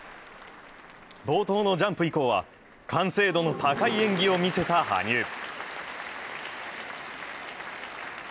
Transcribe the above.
冒頭のジャンプ以降は、完成度の高い演技を見せた羽生。